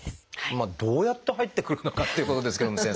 どうやって入ってくるのかっていうことですけども先生。